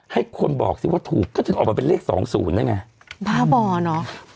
ให้คนบอกสิว่าถูกก็ถึงออกมาเป็นเลขสองศูนย์นั่นไงบ้าบอเนอะ